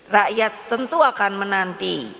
rakyat tentu akan menanti